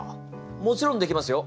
もちろんできますよ。